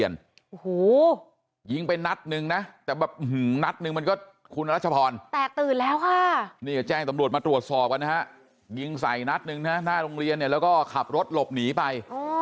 ยิงใส่นัดหนึ่งนะฮะหน้าโรงเรียนเนี่ยแล้วก็ขับรถหลบหนีไป